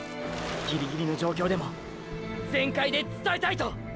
ギリギリの状況でも全開で“伝えたい”と！！